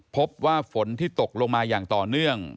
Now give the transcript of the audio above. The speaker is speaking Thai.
พบว่าฝนที่ตกลงมาอย่างต่อเนื่อง